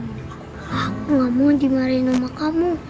aku tidak mau dimarahin rumah kamu